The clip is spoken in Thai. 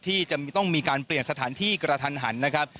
ที่จะต้องมีการเปลี่ยนสถานที่กระทันหันนะครับ